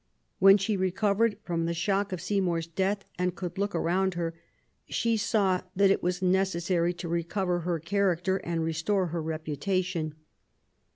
When she recovered from the shock of Seymour's death and ^ould look around her, she saw that it was necessary to recover her character and restore her reputation.